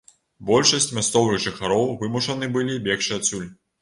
Большасць мясцовых жыхароў вымушаны былі бегчы адсюль.